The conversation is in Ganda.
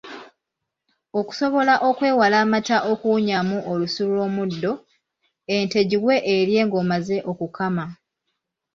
Okusobola okwewala amata okuwunyamu olusu lw’omuddo, ente giwe erye ng’omaze okukama .